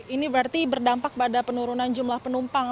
ini berarti berdampak pada penurunan jumlah penumpang